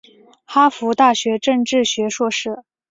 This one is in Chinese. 哈佛大学政治学硕士。